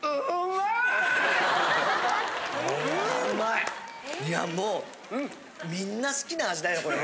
いやもうみんな好きな味だよこれ。